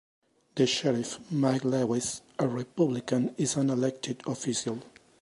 The sheriff, Mike Lewis, a Republican, is an elected official.